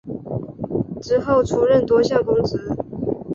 之后出任多项公职。